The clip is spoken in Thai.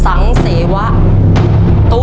ชุดที่๔ห้อชุดที่๔